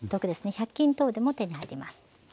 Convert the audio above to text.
１００均等でも手に入ります。